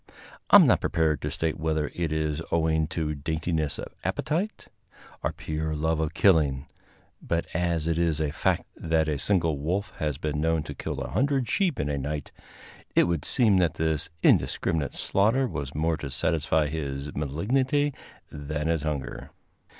I am not prepared to state whether it is owing to daintiness of appetite or pure love of killing, but as it is a fact that a single wolf has been known to kill a hundred sheep in a night, it would seem that this indiscriminate slaughter was more to satisfy his malignity than his hunger.